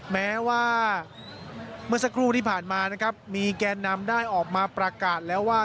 แม้ว่าเมื่อสักครู่ที่ผ่านมานะครับมีแกนนำได้ออกมาประกาศแล้วว่า